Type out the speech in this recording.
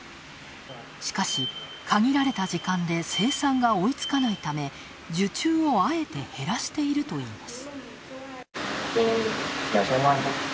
しかし、限られた時間で生産が追いつかないため受注をあえて減らしているといいます。